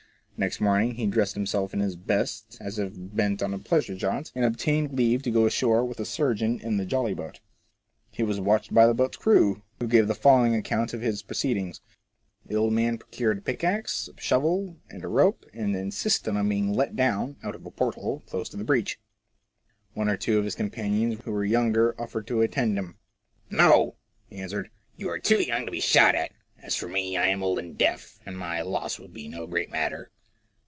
Next morning he dressed himself in his best as if bent on a pleasure jaunt, and obtained leave to go ashore with the surgeon in the jolly boat. He was watched by the boat's crew, who gave the following account of his proceedings : The old man procured a pickaxe, a shovel, and a rope, and insisted on being let down, out of a porthole, close to the breach. One or two of his companions, who were younger, offered to attend him. " No !" he answered. You are too young to be shot at. As for me, 1 am old and deaf, and my loss would be no great matter."